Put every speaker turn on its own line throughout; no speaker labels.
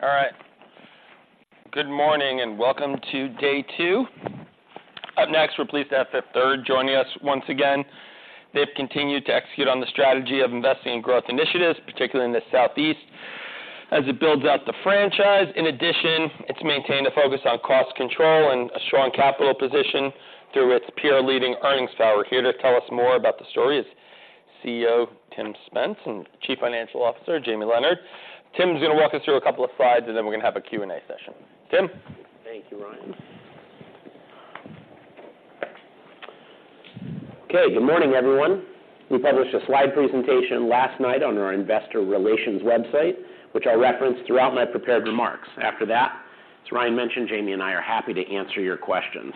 Drum roll. All right. Good morning, and welcome to day two. Up next, we're pleased to have Fifth Third joining us once again. They've continued to execute on the strategy of investing in growth initiatives, particularly in the Southeast, as it builds out the franchise. In addition, it's maintained a focus on cost control and a strong capital position through its peer-leading earnings power. Here to tell us more about the story is CEO, Tim Spence, and Chief Financial Officer, Jamie Leonard. Tim is going to walk us through a couple of slides, and then we're going to have a Q&A session. Tim?
Thank you, Ryan. Okay, good morning, everyone. We published a slide presentation last night on our investor relations website, which I'll reference throughout my prepared remarks. After that, as Ryan mentioned, Jamie and I are happy to answer your questions.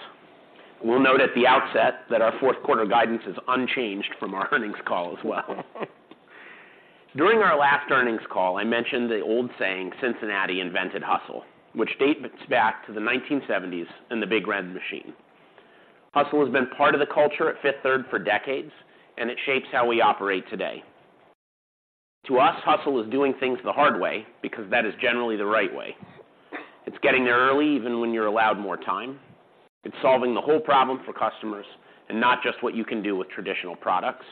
We'll note at the outset that our fourth quarter guidance is unchanged from our earnings call as well. During our last earnings call, I mentioned the old saying, "Cincinnati invented hustle," which dates back to the 1970s and the Big Red Machine. Hustle has been part of the culture at Fifth Third for decades, and it shapes how we operate today. To us, hustle is doing things the hard way because that is generally the right way. It's getting there early, even when you're allowed more time. It's solving the whole problem for customers and not just what you can do with traditional products.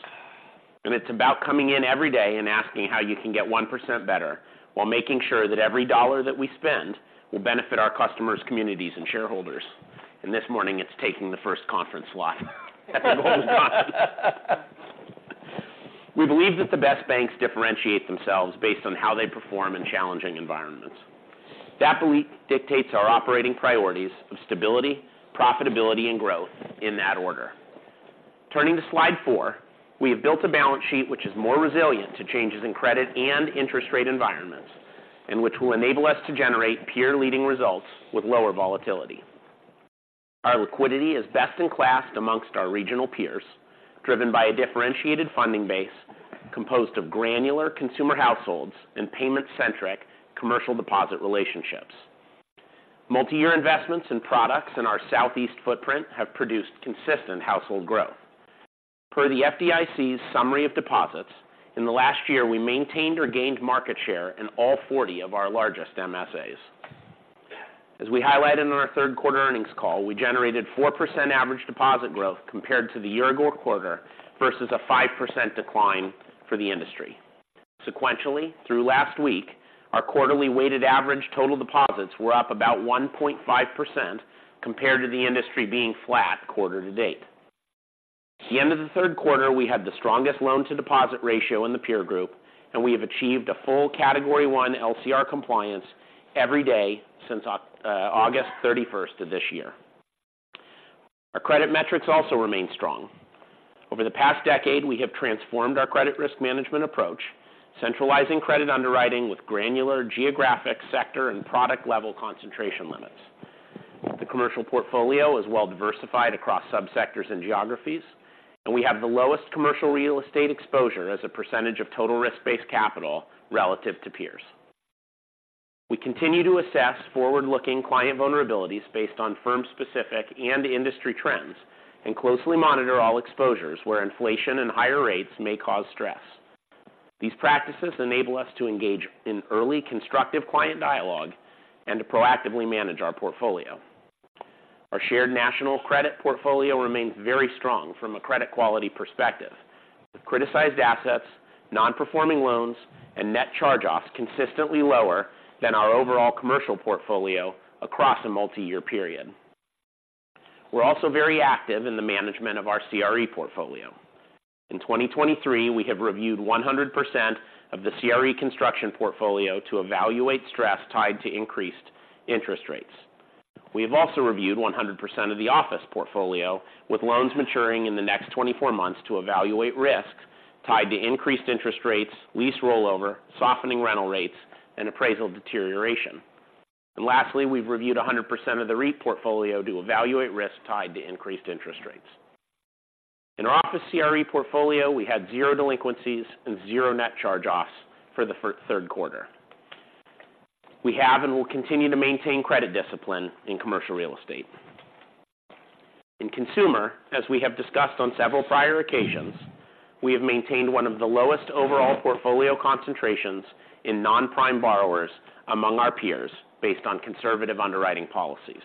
And it's about coming in every day and asking how you can get 1% better while making sure that every dollar that we spend will benefit our customers, communities, and shareholders. And this morning, it's taking the first conference slot. We believe that the best banks differentiate themselves based on how they perform in challenging environments. That belief dictates our operating priorities of stability, profitability, and growth in that order. Turning to slide four, we have built a balance sheet which is more resilient to changes in credit and interest rate environments, and which will enable us to generate peer-leading results with lower volatility. Our liquidity is best-in-class amongst our regional peers, driven by a differentiated funding base composed of granular consumer households and payment-centric commercial deposit relationships. Multi-year investments and products in our Southeast footprint have produced consistent household growth. Per the FDIC's summary of deposits, in the last year, we maintained or gained market share in all 40 of our largest MSAs. As we highlighted in our third quarter earnings call, we generated 4% average deposit growth compared to the year-ago quarter versus a 5% decline for the industry. Sequentially, through last week, our quarterly weighted average total deposits were up about 1.5% compared to the industry being flat quarter to date. At the end of the third quarter, we had the strongest loan-to-deposit ratio in the peer group, and we have achieved a full Category I LCR compliance every day since August thirty-first of this year. Our credit metrics also remain strong. Over the past decade, we have transformed our credit risk management approach, centralizing credit underwriting with granular geographic sector and product-level concentration limits. The commercial portfolio is well diversified across subsectors and geographies, and we have the lowest commercial real estate exposure as a percentage of total risk-based capital relative to peers. We continue to assess forward-looking client vulnerabilities based on firm-specific and industry trends and closely monitor all exposures where inflation and higher rates may cause stress. These practices enable us to engage in early constructive client dialogue and to proactively manage our portfolio. Our shared national credit portfolio remains very strong from a credit quality perspective, with criticized assets, non-performing loans, and net charge-offs consistently lower than our overall commercial portfolio across a multi-year period. We're also very active in the management of our CRE portfolio. In 2023, we have reviewed 100% of the CRE construction portfolio to evaluate stress tied to increased interest rates. We have also reviewed 100% of the office portfolio, with loans maturing in the next 24 months to evaluate risk tied to increased interest rates, lease rollover, softening rental rates, and appraisal deterioration. Lastly, we've reviewed 100% of the REIT portfolio to evaluate risk tied to increased interest rates. In our office CRE portfolio, we had zero delinquencies and zero Net Charge-Offs for the third quarter. We have and will continue to maintain credit discipline in commercial real estate. In consumer, as we have discussed on several prior occasions, we have maintained one of the lowest overall portfolio concentrations in non-prime borrowers among our peers based on conservative underwriting policies.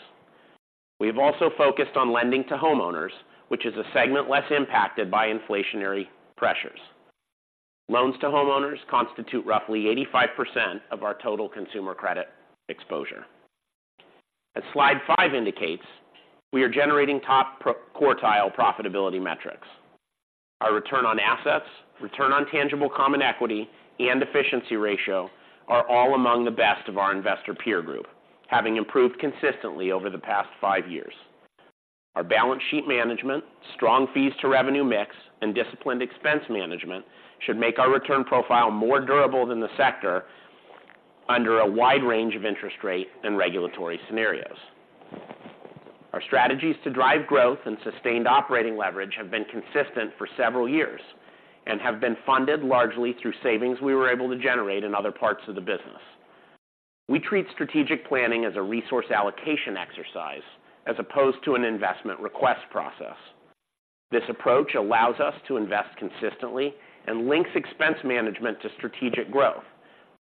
We have also focused on lending to homeowners, which is a segment less impacted by inflationary pressures. Loans to homeowners constitute roughly 85% of our total consumer credit exposure. As slide five indicates, we are generating top quartile profitability metrics. Our return on assets, return on tangible common equity, and efficiency ratio are all among the best of our investor peer group, having improved consistently over the past five years. Our balance sheet management, strong fees to revenue mix, and disciplined expense management should make our return profile more durable than the sector under a wide range of interest rate and regulatory scenarios. Our strategies to drive growth and sustained operating leverage have been consistent for several years... and have been funded largely through savings we were able to generate in other parts of the business. We treat strategic planning as a resource allocation exercise, as opposed to an investment request process. This approach allows us to invest consistently and links expense management to strategic growth,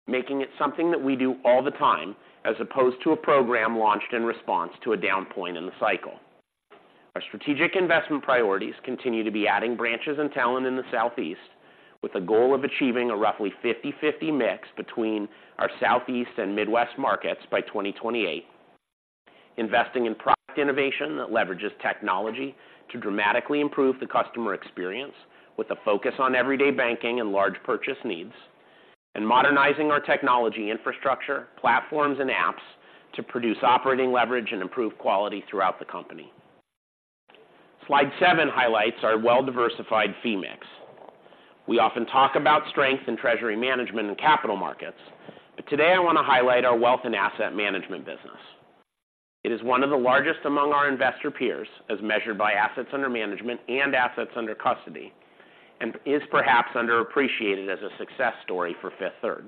making it something that we do all the time, as opposed to a program launched in response to a down point in the cycle. Our strategic investment priorities continue to be adding branches and talent in the Southeast, with a goal of achieving a roughly 50/50 mix between our Southeast and Midwest markets by 2028. Investing in product innovation that leverages technology to dramatically improve the customer experience, with a focus on everyday banking and large purchase needs. And modernizing our technology infrastructure, platforms, and apps to produce operating leverage and improve quality throughout the company. Slide seven highlights our well-diversified fee mix. We often talk about strength in treasury management and capital markets, but today I want to highlight our wealth and asset management business. It is one of the largest among our investor peers, as measured by assets under management and assets under custody, and is perhaps underappreciated as a success story for Fifth Third.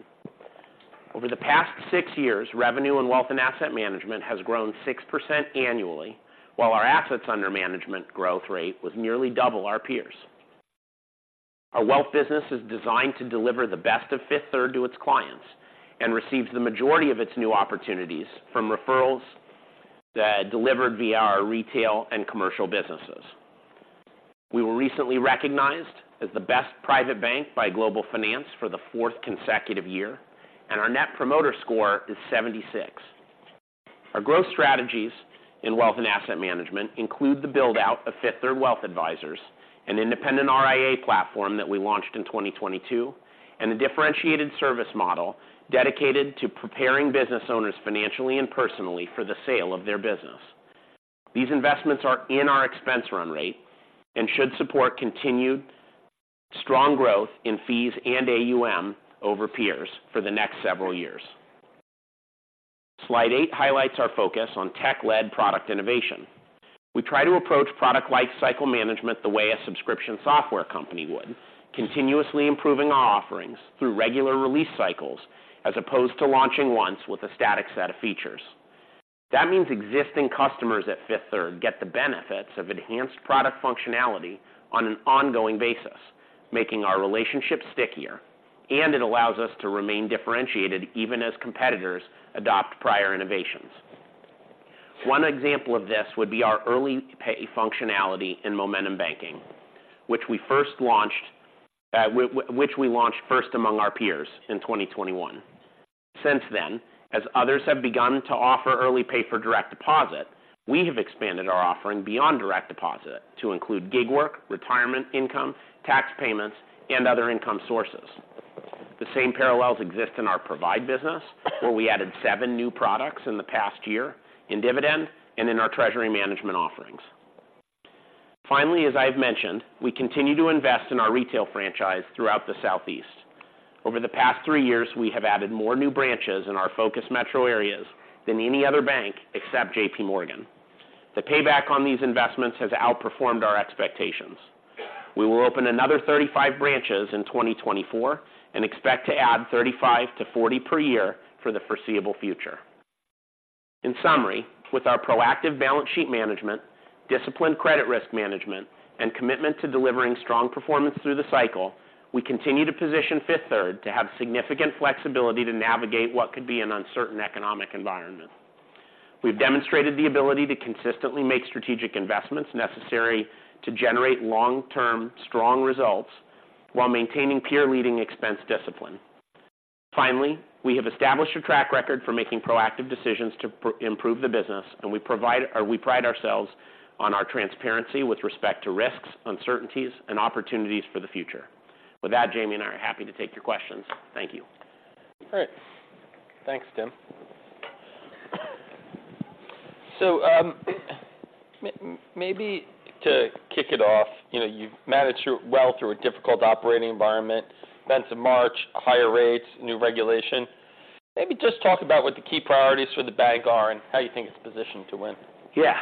Over the past six years, revenue in wealth and asset management has grown 6% annually, while our assets under management growth rate was nearly double our peers. Our wealth business is designed to deliver the best of Fifth Third to its clients and receives the majority of its new opportunities from referrals that delivered via our retail and commercial businesses. We were recently recognized as the best private bank by Global Finance for the fourth consecutive year, and our net promoter score is 76. Our growth strategies in wealth and asset management include the build-out of Fifth Third Wealth Advisors, an independent RIA platform that we launched in 2022, and a differentiated service model dedicated to preparing business owners financially and personally for the sale of their business. These investments are in our expense run rate and should support continued strong growth in fees and AUM over peers for the next several years. Slide 8 highlights our focus on tech-led product innovation. We try to approach product lifecycle management the way a subscription software company would, continuously improving our offerings through regular release cycles, as opposed to launching once with a static set of features. That means existing customers at Fifth Third get the benefits of enhanced product functionality on an ongoing basis, making our relationship stickier, and it allows us to remain differentiated even as competitors adopt prior innovations. One example of this would be our early pay functionality in momentum banking, which we first launched, which we launched first among our peers in 2021. Since then, as others have begun to offer early pay for direct deposit, we have expanded our offering beyond direct deposit to include gig work, retirement income, tax payments, and other income sources. The same parallels exist in our Provide business, where we added seven new products in the past year in Dividend and in our treasury management offerings. Finally, as I've mentioned, we continue to invest in our retail franchise throughout the Southeast. Over the past three years, we have added more new branches in our focus metro areas than any other bank except JPMorgan. The payback on these investments has outperformed our expectations. We will open another 35 branches in 2024 and expect to add 35-40 per year for the foreseeable future. In summary, with our proactive balance sheet management, disciplined credit risk management, and commitment to delivering strong performance through the cycle, we continue to position Fifth Third to have significant flexibility to navigate what could be an uncertain economic environment. We've demonstrated the ability to consistently make strategic investments necessary to generate long-term, strong results while maintaining peer-leading expense discipline. Finally, we have established a track record for making proactive decisions to improve the business, and we pride ourselves on our transparency with respect to risks, uncertainties, and opportunities for the future. With that, Jamie and I are happy to take your questions. Thank you.
All right. Thanks, Tim. So, maybe to kick it off, you know, you've managed through... Well through a difficult operating environment, events of March, higher rates, new regulation. Maybe just talk about what the key priorities for the bank are and how you think it's positioned to win?
Yeah.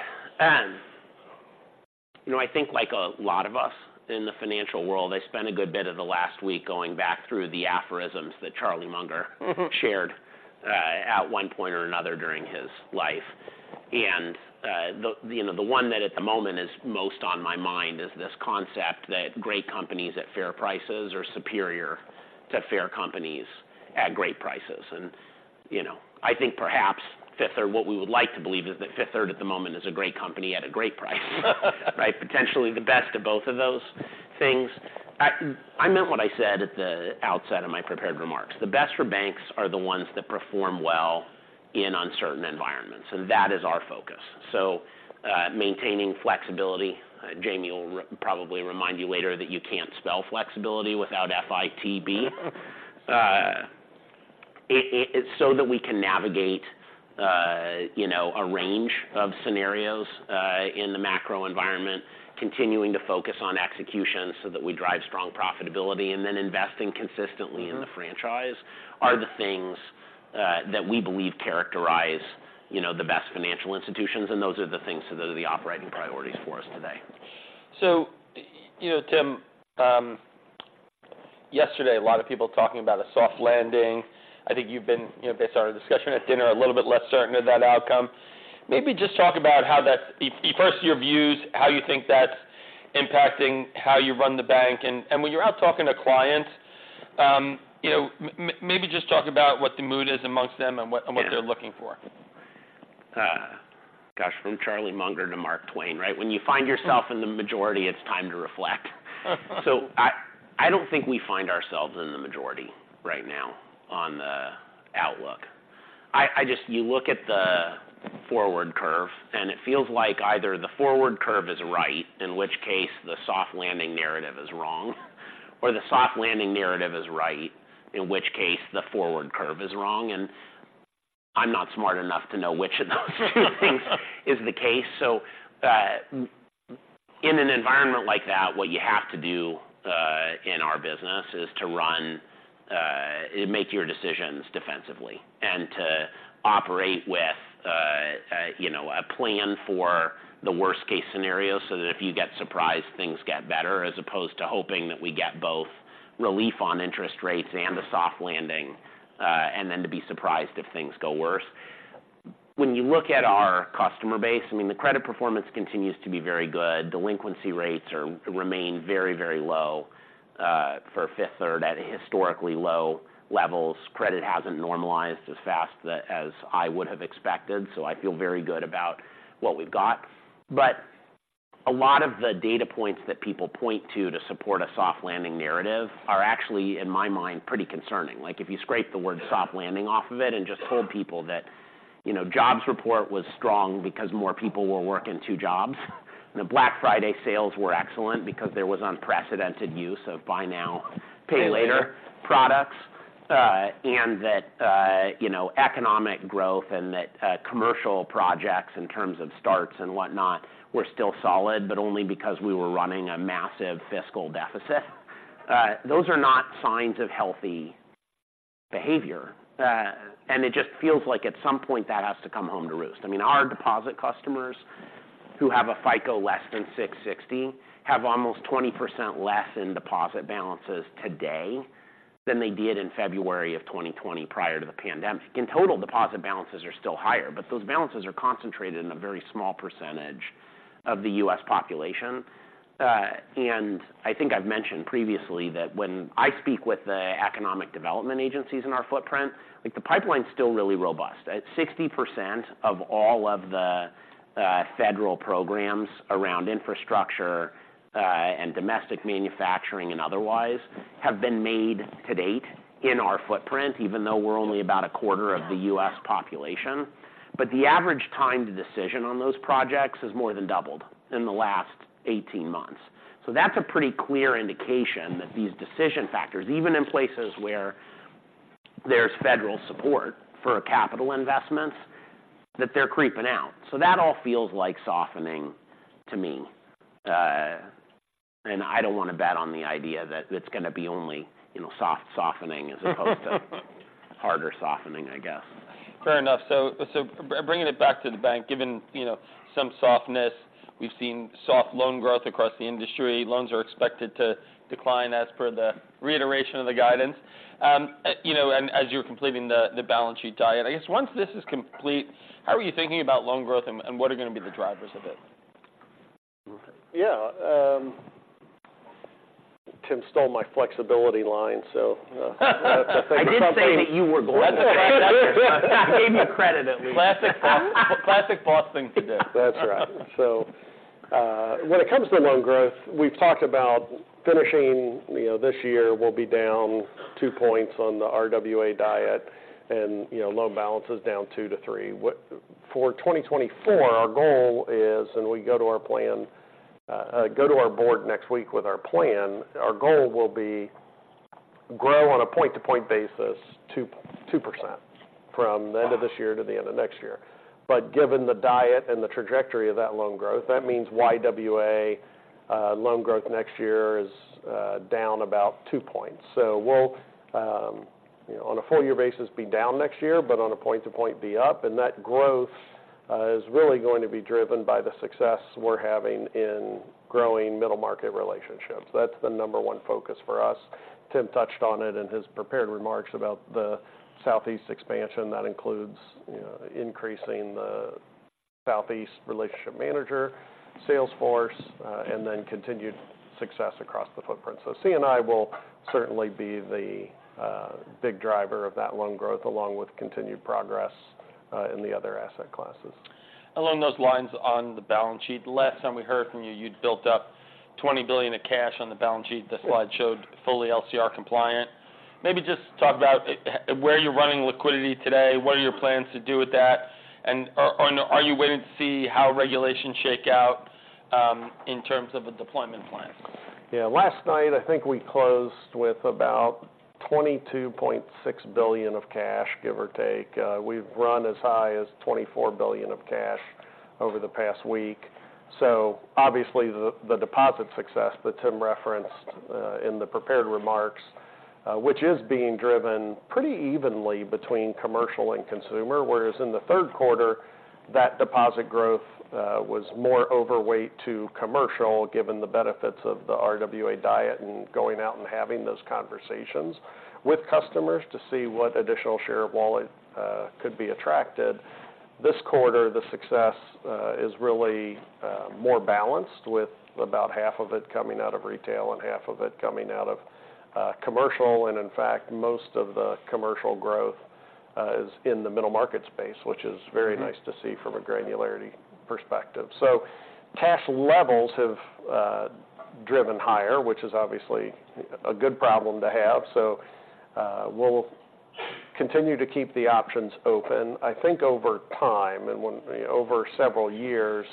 You know, I think like a lot of us in the financial world, I spent a good bit of the last week going back through the aphorisms that Charlie Munger-
Mm-hmm...
shared at one point or another during his life. And the, you know, the one that at the moment is most on my mind is this concept that great companies at fair prices are superior to fair companies at great prices. And, you know, I think perhaps Fifth Third, what we would like to believe is that Fifth Third at the moment is a great company at a great price. Right? Potentially the best of both of those things. I, I meant what I said at the outset of my prepared remarks. The best for banks are the ones that perform well in uncertain environments, and that is our focus. So, maintaining flexibility, Jamie will probably remind you later that you can't spell flexibility without F-I-T-B. so that we can navigate, you know, a range of scenarios in the macro environment, continuing to focus on execution so that we drive strong profitability, and then investing consistently-
Mm-hmm.
In the franchise, are the things that we believe characterize, you know, the best financial institutions, and those are the things that are the operating priorities for us today.
So, you know, Tim, yesterday, a lot of people talking about a soft landing. I think you've been, you know, based on our discussion at dinner, a little bit less certain of that outcome. Maybe just talk about how that, first your views, how you think that's impacting how you run the bank. And when you're out talking to clients, you know, maybe just talk about what the mood is amongst them and what-
Yeah
and what they're looking for.
Gosh, from Charlie Munger to Mark Twain, right? When you find yourself in the majority, it's time to reflect. So I don't think we find ourselves in the majority right now on the outlook. I just. You look at the forward curve, and it feels like either the forward curve is right, in which case the soft landing narrative is wrong, or the soft landing narrative is right, in which case the forward curve is wrong. And I'm not smart enough to know which of those two things is the case. So, in an environment like that, what you have to do, in our business is to run... Make your decisions defensively and to operate with, you know, a plan for the worst case scenario, so that if you get surprised, things get better, as opposed to hoping that we get both relief on interest rates and a soft landing, and then to be surprised if things go worse. When you look at our customer base, I mean, the credit performance continues to be very good. Delinquency rates remain very, very low, for Fifth Third, at historically low levels. Credit hasn't normalized as fast as I would have expected, so I feel very good about what we've got. But a lot of the data points that people point to, to support a soft landing narrative are actually, in my mind, pretty concerning. Like, if you scrape the word soft landing off of it and just told people that, you know, jobs report was strong because more people were working two jobs, and the Black Friday sales were excellent because there was unprecedented use of buy now, pay later products, and that, you know, economic growth and that, commercial projects in terms of starts and whatnot, were still solid, but only because we were running a massive fiscal deficit. Those are not signs of healthy behavior. And it just feels like at some point that has to come home to roost. I mean, our deposit customers who have a FICO less than 660, have almost 20% less in deposit balances today than they did in February of 2020, prior to the pandemic. In total, deposit balances are still higher, but those balances are concentrated in a very small percentage of the U.S. population. And I think I've mentioned previously that when I speak with the economic development agencies in our footprint, like, the pipeline is still really robust. At 60% of all of the, federal programs around infrastructure, and domestic manufacturing and otherwise, have been made to date in our footprint, even though we're only about a quarter of the U.S. population. But the average time to decision on those projects has more than doubled in the last eighteen months. So that's a pretty clear indication that these decision factors, even in places where there's federal support for capital investments, that they're creeping out. So that all feels like softening to me. And I don't want to bet on the idea that it's going to be only, you know, soft softening as opposed to harder softening, I guess.
Fair enough. So, bringing it back to the bank, given, you know, some softness, we've seen soft loan growth across the industry. Loans are expected to decline as per the reiteration of the guidance. You know, and as you're completing the balance sheet diet, I guess once this is complete, how are you thinking about loan growth and what are going to be the drivers of it?
Yeah, Tim stole my flexibility line, so-
I did say that you were going to-
That's it.
I gave you credit at least.
Classic boss. Classic boss thing to do.
That's right. So, when it comes to loan growth, we've talked about finishing... You know, this year, we'll be down 2 points on the RWA diet and, you know, loan balance is down 2-3. For 2024, our goal is, and we go to our plan, go to our board next week with our plan. Our goal will be grow on a point-to-point basis, 2, 2% from the end of this year to the end of next year. But given the diet and the trajectory of that loan growth, that means YWA, loan growth next year is, down about 2 points. So we'll, you know, on a full year basis, be down next year, but on a point to point, be up. That growth is really going to be driven by the success we're having in growing middle market relationships. That's the number one focus for us. Tim touched on it in his prepared remarks about the Southeast expansion. That includes, you know, increasing the Southeast relationship manager, sales force, and then continued success across the footprint. So C&I will certainly be the big driver of that loan growth, along with continued progress in the other asset classes.
Along those lines, on the balance sheet, last time we heard from you, you'd built up $20 billion of cash on the balance sheet. The slide showed fully LCR compliant. Maybe just talk about where you're running liquidity today, what are your plans to do with that, and are you waiting to see how regulations shake out in terms of a deployment plan?
Yeah. Last night, I think we closed with about $22.6 billion of cash, give or take. We've run as high as $24 billion of cash over the past week. So obviously, the deposit success that Tim referenced in the prepared remarks, which is being driven pretty evenly between commercial and consumer. Whereas in the third quarter, that deposit growth was more overweight to commercial, given the benefits of the RWA diet and going out and having those conversations with customers to see what additional share of wallet could be attracted. This quarter, the success is really more balanced, with about half of it coming out of retail and half of it coming out of commercial. In fact, most of the commercial growth is in the middle market space, which is very nice to see from a granularity perspective. So cash levels have driven higher, which is obviously a good problem to have. So, we'll continue to keep the options open. I think over time and over several years,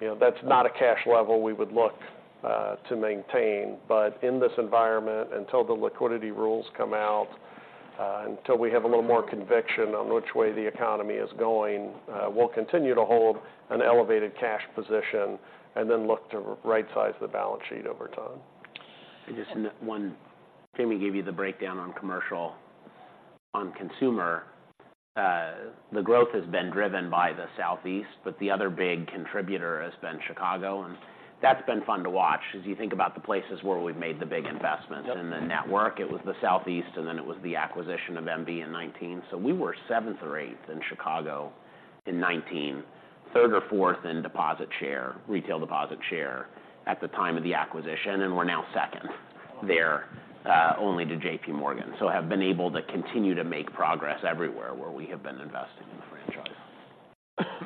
you know, that's not a cash level we would look to maintain. But in this environment, until the liquidity rules come out, until we have a little more conviction on which way the economy is going, we'll continue to hold an elevated cash position and then look to rightsize the balance sheet over time.
Just one. Jamie gave you the breakdown on commercial. On consumer, the growth has been driven by the Southeast, but the other big contributor has been Chicago, and that's been fun to watch. As you think about the places where we've made the big investments in the network, it was the Southeast, and then it was the acquisition of MB in 2019. So we were seventh or eighth in Chicago in 2019, third or fourth in deposit share, retail deposit share, at the time of the acquisition, and we're now second there, only to JPMorgan. So have been able to continue to make progress everywhere where we have been investing in the franchise.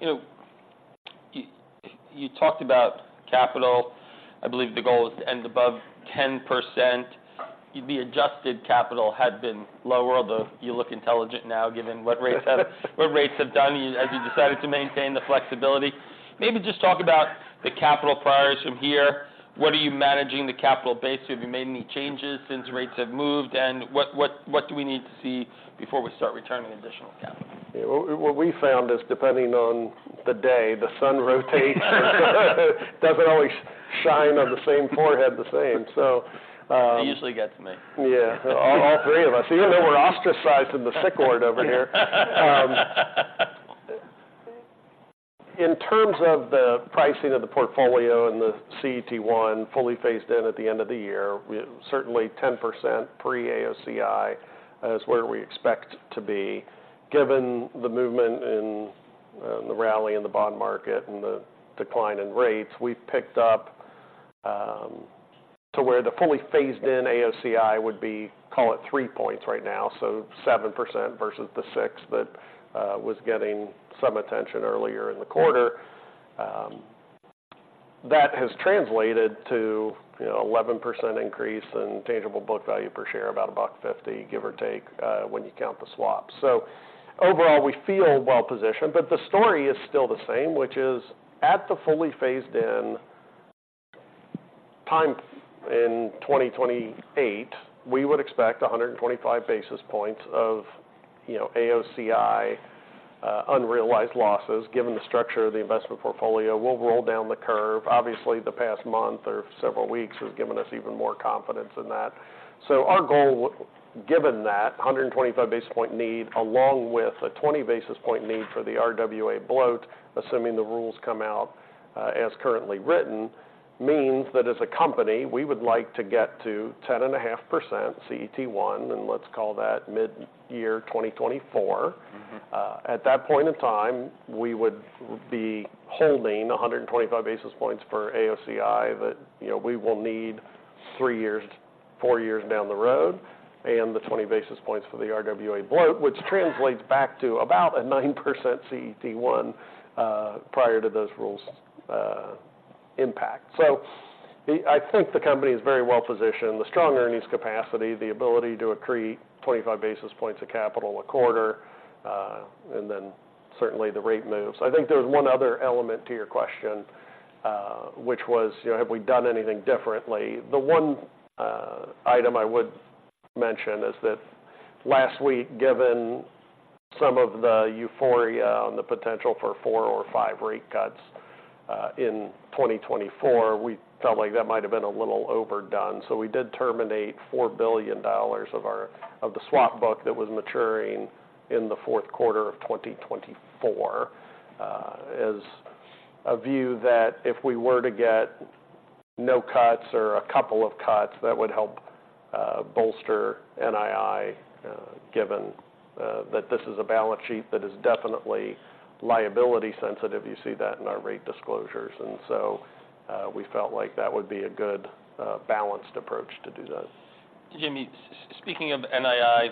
You know, you talked about capital. I believe the goal is to end above 10%. The adjusted capital had been lower, although you look intelligent now, given what rates have done, as you decided to maintain the flexibility. Maybe just talk about the capital priors from here. What are you managing the capital base? Have you made any changes since rates have moved? And what do we need to see before we start returning additional capital?
Yeah, what, what we found is, depending on the day, the sun rotates. Doesn't always shine on the same forehead the same. So,
It usually gets me.
Yeah, all three of us, even though we're ostracized in the sick ward over here. In terms of the pricing of the portfolio and the CET1 fully phased in at the end of the year, we certainly 10% pre-AOCI is where we expect to be. Given the movement in the rally in the bond market and the decline in rates, we've picked up to where the fully phased-in AOCI would be, call it three points right now, so 7% versus the 6% that was getting some attention earlier in the quarter. That has translated to, you know, 11% increase in tangible book value per share, about $1.50, give or take, when you count the swaps. So overall, we feel well positioned, but the story is still the same, which is at the fully phased-in time in 2028, we would expect 125 basis points of, you know, AOCI, unrealized losses. Given the structure of the investment portfolio, we'll roll down the curve. Obviously, the past month or several weeks has given us even more confidence in that. So our goal, given that 125 basis point need, along with a 20 basis point need for the RWA bloat, assuming the rules come out, as currently written, means that as a company, we would like to get to 10.5% CET1, and let's call that mid-year 2024.
Mm-hmm.
At that point in time, we would be holding 125 basis points for AOCI that, you know, we will need 3 years, 4 years down the road, and the 20 basis points for the RWA bloat, which translates back to about a 9% CET1, prior to those rules, impact. So I think the company is very well positioned. The strong earnings capacity, the ability to accrete 25 basis points of capital a quarter, and then certainly the rate moves. I think there's one other element to your question, which was, you know, have we done anything differently? The one item I would mention is that last week, given some of the euphoria on the potential for 4 or 5 rate cuts, in 2024, we felt like that might have been a little overdone. So we did terminate $4 billion of our swap book that was maturing in the fourth quarter of 2024, as a view that if we were to get no cuts or a couple of cuts, that would help bolster NII, given that this is a balance sheet that is definitely liability sensitive. You see that in our rate disclosures. And so, we felt like that would be a good balanced approach to do that.
Jamie, speaking of NII,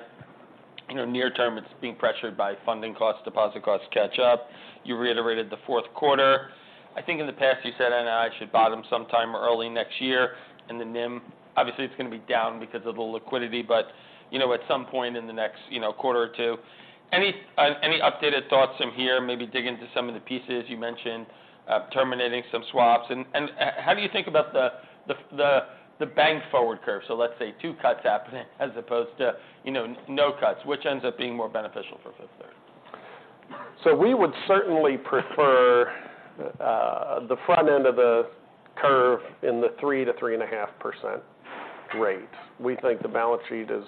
you know, near term, it's being pressured by funding costs, deposit costs catch up. You reiterated the fourth quarter. I think in the past you said NII should bottom sometime early next year, and the NIM, obviously, it's going to be down because of the liquidity, but, you know, at some point in the next, you know, quarter or two. Any, any updated thoughts from here? Maybe dig into some of the pieces you mentioned, terminating some swaps. And, how do you think about the bank forward curve? So let's say two cuts happening as opposed to, you know, no cuts, which ends up being more beneficial for Fifth Third....
So we would certainly prefer the front end of the curve in the 3%-3.5% rate. We think the balance sheet is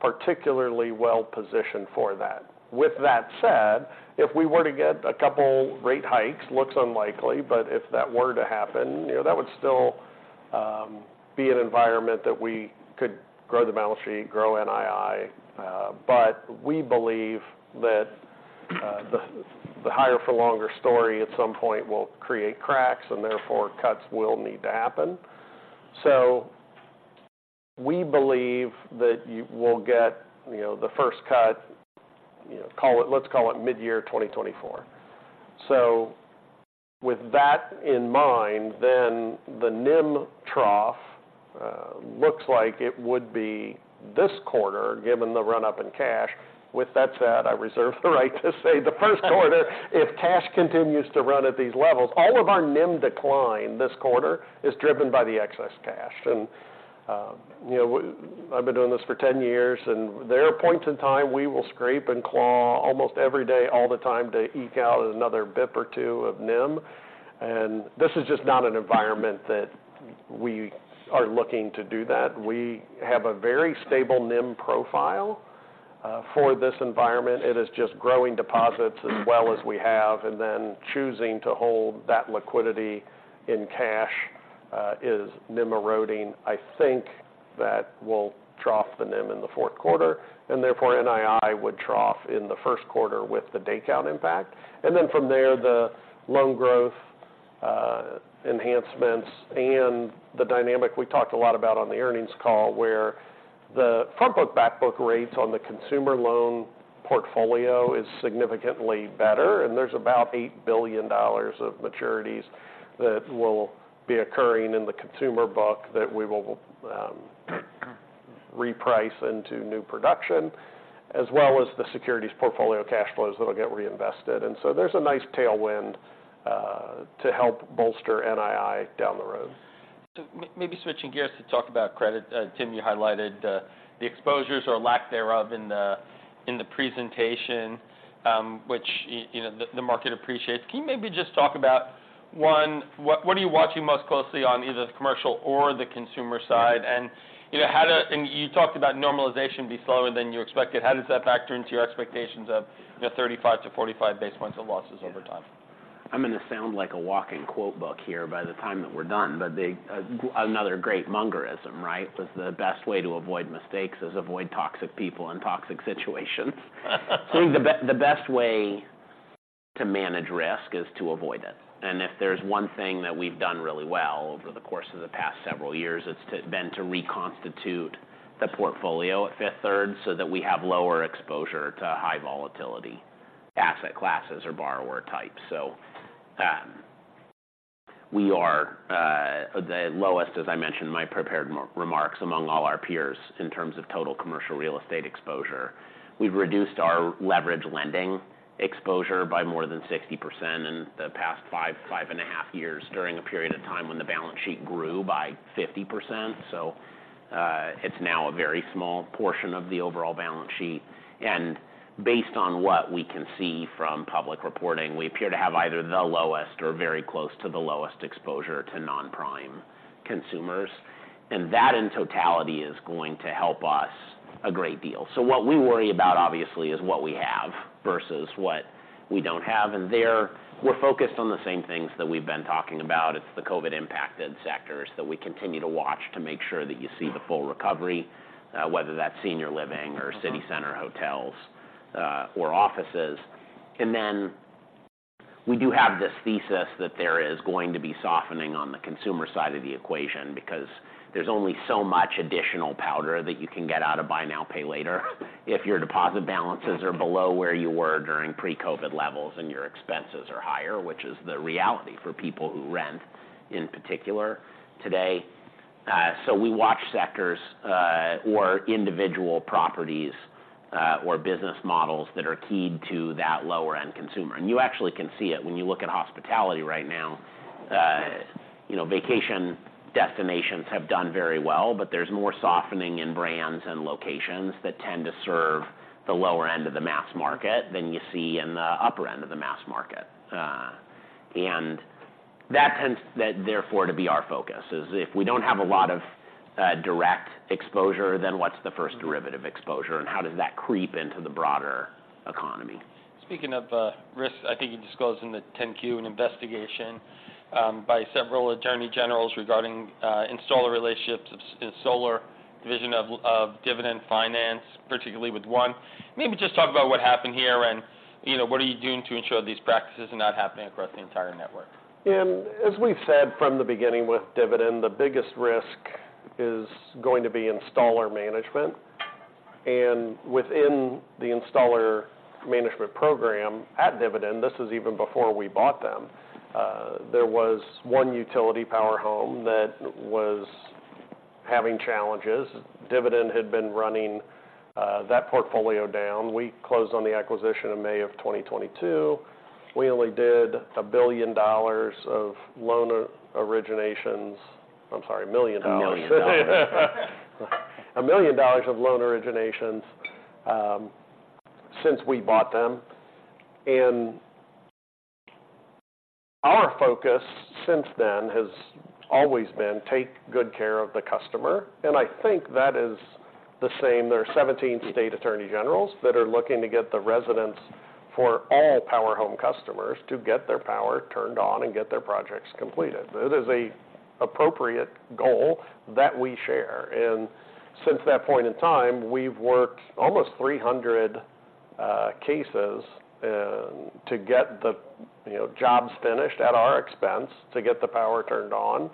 particularly well-positioned for that. With that said, if we were to get a couple rate hikes, looks unlikely, but if that were to happen, you know, that would still be an environment that we could grow the balance sheet, grow NII. But we believe that the higher for longer story at some point will create cracks, and therefore cuts will need to happen. So we believe that we'll get, you know, the first cut, you know, call it—let's call it mid-year 2024. So with that in mind, then the NIM trough looks like it would be this quarter, given the run-up in cash. With that said, I reserve the right to say the first quarter, if cash continues to run at these levels. All of our NIM decline this quarter is driven by the excess cash. And, you know, I've been doing this for 10 years, and there are points in time, we will scrape and claw almost every day, all the time, to eke out another basis point or two of NIM. And this is just not an environment that we are looking to do that. We have a very stable NIM profile for this environment. It is just growing deposits as well as we have, and then choosing to hold that liquidity in cash is NIM eroding. I think that will trough the NIM in the fourth quarter, and therefore, NII would trough in the first quarter with the day count impact. Then from there, the loan growth, enhancements and the dynamic we talked a lot about on the earnings call, where the front book, back book rates on the consumer loan portfolio is significantly better. And there's about $8 billion of maturities that will be occurring in the consumer book that we will, reprice into new production, as well as the securities portfolio cash flows that will get reinvested. And so there's a nice tailwind, to help bolster NII down the road.
So maybe switching gears to talk about credit. Tim, you highlighted the exposures or lack thereof in the presentation, which, you know, the market appreciates. Can you maybe just talk about, one, what are you watching most closely on either the commercial or the consumer side? And, you know, how does - and you talked about normalization be slower than you expected. How does that factor into your expectations of, you know, 35-45 basis points of losses over time?
I'm going to sound like a walking quote book here by the time that we're done. But the another great Mungerism, right? Was, "The best way to avoid mistakes is avoid toxic people and toxic situations." So I think the best way to manage risk is to avoid it. And if there's one thing that we've done really well over the course of the past several years, it's been to reconstitute the portfolio at Fifth Third, so that we have lower exposure to high volatility asset classes or borrower types. So, we are the lowest, as I mentioned in my prepared remarks, among all our peers in terms of total commercial real estate exposure. We've reduced our leverage lending exposure by more than 60% in the past 5, 5.5 years, during a period of time when the balance sheet grew by 50%. So, it's now a very small portion of the overall balance sheet, and based on what we can see from public reporting, we appear to have either the lowest or very close to the lowest exposure to non-prime consumers. And that, in totality, is going to help us a great deal. So what we worry about, obviously, is what we have versus what we don't have. And there, we're focused on the same things that we've been talking about. It's the COVID-impacted sectors that we continue to watch to make sure that you see the full recovery, whether that's senior living or city center hotels, or offices. And then we do have this thesis that there is going to be softening on the consumer side of the equation because there's only so much additional powder that you can get out of buy now, pay later, if your deposit balances are below where you were during pre-COVID levels and your expenses are higher, which is the reality for people who rent, in particular, today. So we watch sectors, or individual properties, or business models that are keyed to that lower-end consumer. You actually can see it when you look at hospitality right now. You know, vacation destinations have done very well, but there's more softening in brands and locations that tend to serve the lower end of the mass market than you see in the upper end of the mass market. And that therefore to be our focus is if we don't have a lot of direct exposure, then what's the first derivative exposure, and how does that creep into the broader economy?
Speaking of risk, I think you disclosed in the 10-Q an investigation by several attorney generals regarding installer relationships in solar division of Dividend Finance, particularly with one. Maybe just talk about what happened here and, you know, what are you doing to ensure these practices are not happening across the entire network?
As we've said from the beginning with Dividend, the biggest risk is going to be installer management. Within the installer management program at Dividend, this is even before we bought them, there was one utility Power Home that was having challenges. Dividend had been running that portfolio down. We closed on the acquisition in May 2022. We only did $1 billion of loan originations. I'm sorry, $1 million.
$1 million.
$1 million of loan originations since we bought them. Our focus since then has always been, take good care of the customer, and I think that is the same. There are 17 state attorney generals that are looking to get the residents for all Power Home customers to get their power turned on and get their projects completed. It is an appropriate goal that we share, and since that point in time, we've worked almost 300 cases to get the, you know, jobs finished at our expense, to get the power turned on.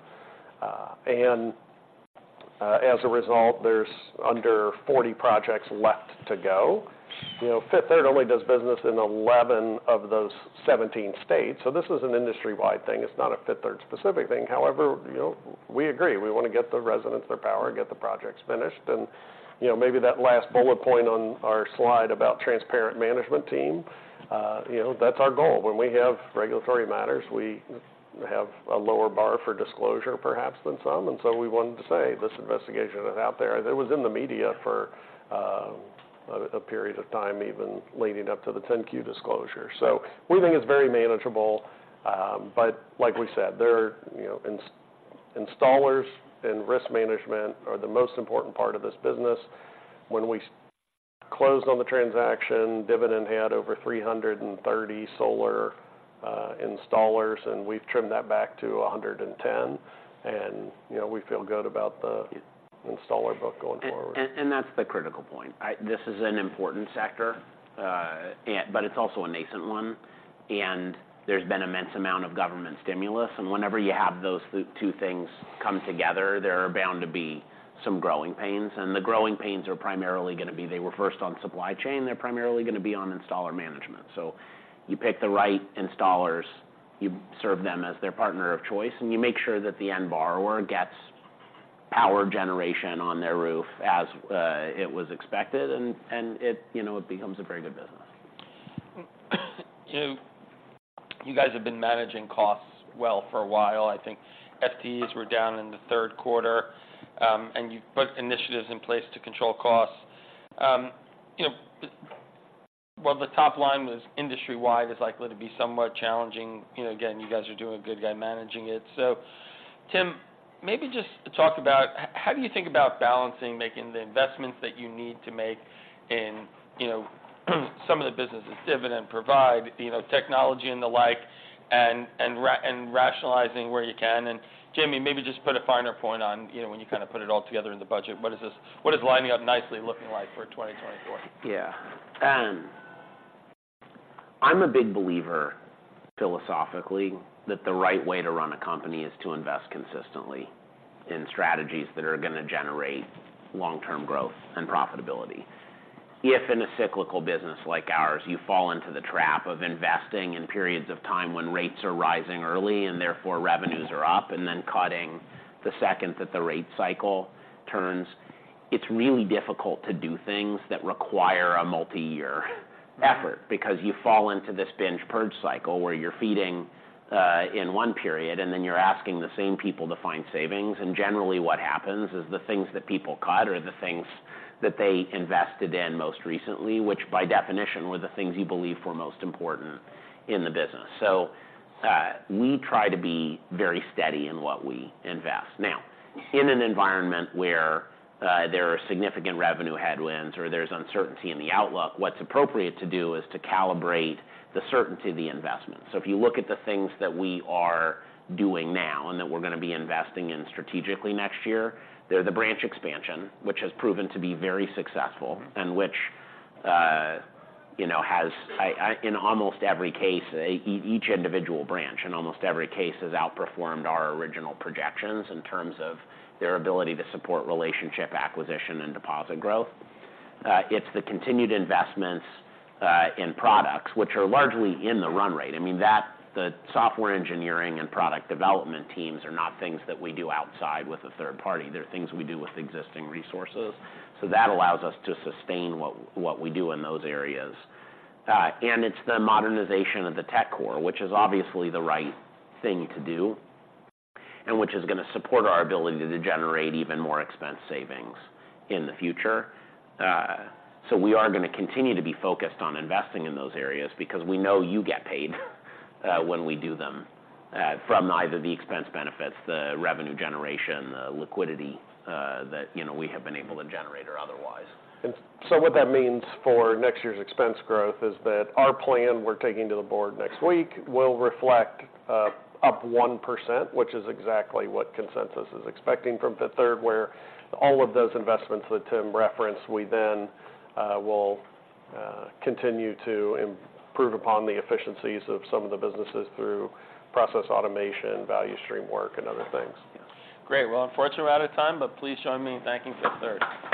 As a result, there's under 40 projects left to go. You know, Fifth Third only does business in 11 of those 17 states, so this is an industry-wide thing. It's not a Fifth Third specific thing. However, you know, we agree, we want to get the residents their power and get the projects finished. And, you know, maybe that last bullet point on our slide about transparent management team, you know, that's our goal. When we have regulatory matters, we have a lower bar for disclosure, perhaps than some, and so we wanted to say this investigation is out there. It was in the media for a period of time, even leading up to the 10-Q disclosure. So we think it's very manageable, but like we said, there are, you know, installers and risk management are the most important part of this business. When we closed on the transaction, Dividend had over 330 solar installers, and we've trimmed that back to 110. And, you know, we feel good about the installer book going forward.
That's the critical point. This is an important sector, and but it's also a nascent one, and there's been immense amount of government stimulus. And whenever you have those two things come together, there are bound to be some growing pains, and the growing pains are primarily going to be, they were first on supply chain, they're primarily going to be on installer management. So you pick the right installers, you serve them as your partner of choice, and you make sure that the end borrower gets power generation on their roof as it was expected, and it, you know, it becomes a very good business.
You, you guys have been managing costs well for a while. I think FTEs were down in the third quarter, and you've put initiatives in place to control costs. You know, while the top line was industry-wide, is likely to be somewhat challenging. You know, again, you guys are doing a good job managing it. So, Tim, maybe just talk about how do you think about balancing, making the investments that you need to make in, you know, some of the businesses Dividend, Provide, you know, technology and the like, and, and rationalizing where you can. And Jamie, maybe just put a finer point on, you know, when you kind of put it all together in the budget, what is what is lining up nicely looking like for 2024?
Yeah. I'm a big believer, philosophically, that the right way to run a company is to invest consistently in strategies that are going to generate long-term growth and profitability. If in a cyclical business like ours, you fall into the trap of investing in periods of time when rates are rising early and therefore revenues are up, and then cutting the second that the rate cycle turns, it's really difficult to do things that require a multi-year effort. Because you fall into this binge purge cycle, where you're feeding in one period, and then you're asking the same people to find savings. And generally, what happens is, the things that people cut are the things that they invested in most recently, which by definition, were the things you believed were most important in the business. So, we try to be very steady in what we invest. Now, in an environment where there are significant revenue headwinds or there's uncertainty in the outlook, what's appropriate to do is to calibrate the certainty of the investment. So if you look at the things that we are doing now and that we're going to be investing in strategically next year, they're the branch expansion, which has proven to be very successful, and which, you know, in almost every case, each individual branch has outperformed our original projections in terms of their ability to support relationship, acquisition, and deposit growth. It's the continued investments in products which are largely in the run rate. I mean, that the software engineering and product development teams are not things that we do outside with a third party, they're things we do with existing resources. So that allows us to sustain what we do in those areas. And it's the modernization of the tech core, which is obviously the right thing to do, and which is going to support our ability to generate even more expense savings in the future. So we are going to continue to be focused on investing in those areas because we know you get paid when we do them from either the expense benefits, the revenue generation, the liquidity that, you know, we have been able to generate or otherwise.
And so what that means for next year's expense growth is that our plan we're taking to the board next week will reflect up 1%, which is exactly what consensus is expecting from Fifth Third, where all of those investments that Tim referenced, we then will continue to improve upon the efficiencies of some of the businesses through process automation, value stream work, and other things.
Great. Well, unfortunately, we're out of time, but please join me in thanking Fifth Third.